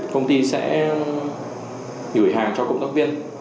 công ty sẽ gửi hàng cho cộng tác viên